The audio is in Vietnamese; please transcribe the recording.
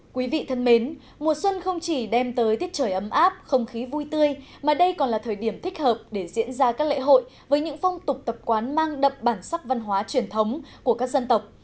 quý vị thân mến mùa xuân không chỉ đem tới thiết trời ấm áp không khí vui tươi mà đây còn là thời điểm thích hợp để diễn ra các lễ hội với những phong tục tập quán mang đậm bản sắc văn hóa truyền thống của các dân tộc